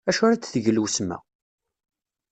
Acu ara d-teg lwesma?